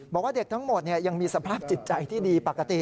บอกว่าเด็กทั้งหมดยังมีสภาพจิตใจที่ดีปกติ